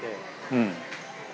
うん。